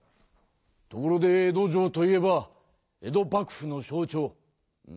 ところで江戸城といえば江戸幕府の象ちょう。